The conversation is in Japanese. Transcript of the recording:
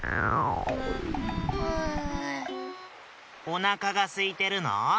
おなかがすいてるの？